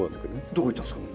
どこ行ったんすか？